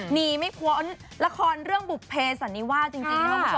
หนีไม่พ้นละครเรื่องบุภเพสันนิวาสจริงนะครับคุณผู้ชม